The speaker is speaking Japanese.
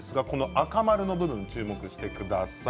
赤丸の部分に注目してください。